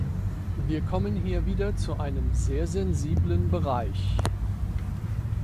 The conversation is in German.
Wir kommen hier wieder zu einem sehr sensiblen Bereich.